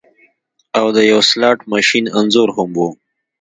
او د یو سلاټ ماشین انځور هم و